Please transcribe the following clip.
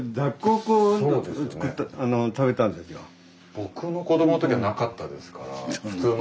僕の子どもの時はなかったですから普通の。